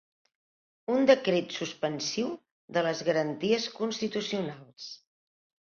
Un decret suspensiu de les garanties constitucionals.